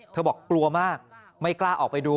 บอกกลัวมากไม่กล้าออกไปดู